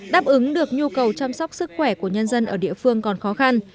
đáp ứng được nhu cầu chăm sóc sức khỏe của nhân dân ở địa phương còn khó khăn